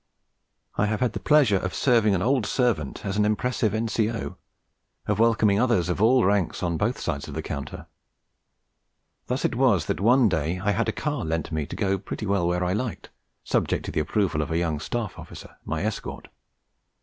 I have had the pleasure of serving an old servant as an impressive N.C.O., of welcoming others of all ranks on both sides of the counter. Thus it was that one day I had a car lent me to go pretty well where I liked, subject to the approval of a young Staff Officer, my escort.